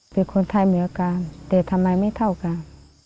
ไปคุณไทยไม่ว่ากันแต่ทำไมไม่เท่ากัน